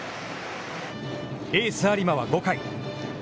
エース有馬は５回。